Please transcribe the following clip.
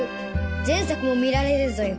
前作も見られるぞよ